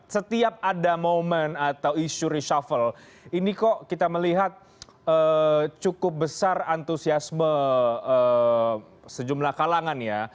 setiap ada momen atau isu reshuffle ini kok kita melihat cukup besar antusiasme sejumlah kalangan ya